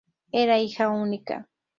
Era hija única.